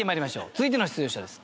続いての出場者です。